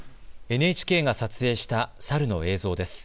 ＮＨＫが撮影したサルの映像です。